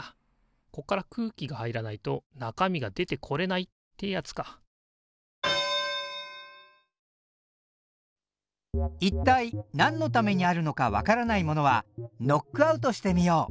こっから空気が入らないと中身が出てこれないってやつか一体なんのためにあるのか分からないものはノックアウトしてみよう！